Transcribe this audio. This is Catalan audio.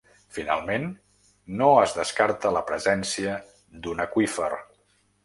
Finalment, no es descarta la presència d’un aqüífer.